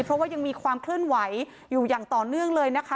เพราะว่ายังมีความเคลื่อนไหวอยู่อย่างต่อเนื่องเลยนะคะ